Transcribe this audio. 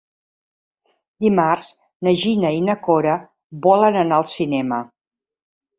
Dimarts na Gina i na Cora volen anar al cinema.